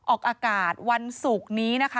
ออกอากาศวันศุกร์นี้นะคะ